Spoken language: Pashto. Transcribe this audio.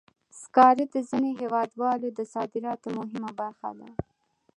سکاره د ځینو هېوادونو د صادراتو مهمه برخه ده.